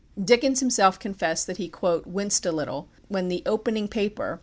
Dickens himself confessed that he "winced a little," when the "opening paper